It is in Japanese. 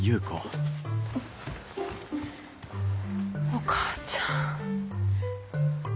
お母ちゃん。